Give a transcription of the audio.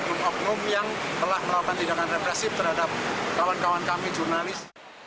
oknum oknum yang telah melakukan tindakan represif terhadap kawan kawan kami jurnalis